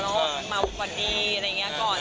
น้องเข้ามาวันนี้ก่อน